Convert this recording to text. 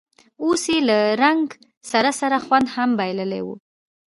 اوس یې له رنګ سره سره خوند هم بایللی و.